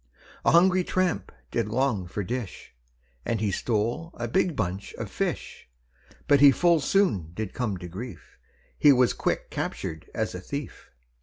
A hungry tramp did long for dish, And he stole a big bunch of fish, But he full soon did come to grief, He was quick captured as a thief.